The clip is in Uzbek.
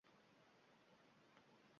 Shu yoshdagi har bir bola qoʻl urishi mumkin.